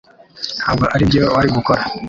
Ntabwo aribyo wari gukora